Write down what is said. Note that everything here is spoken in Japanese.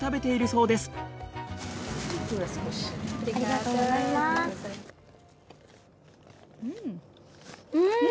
うん！